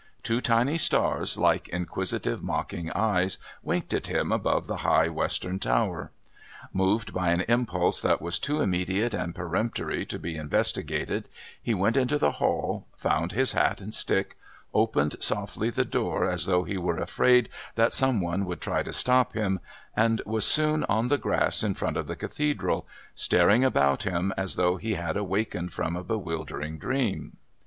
Two tiny stars, like inquisitive mocking eyes, winked at him above the high Western tower. Moved by an impulse that was too immediate and peremptory to be investigated, he went into the hall, found his hat and stick, opened softly the door as though he were afraid that some one would try to stop him, and was soon on the grass in front of the Cathedral, staring about him as though he had awakened from a bewildering dream.